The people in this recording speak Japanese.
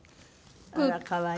あら可愛い。